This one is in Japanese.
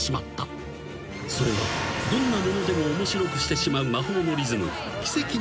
［それはどんなものでも面白くしてしまう魔法のリズム］